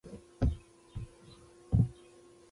انګریز، روس، امریکې هر یوه له هوا او ځمکې په ګولیو وویشتلو.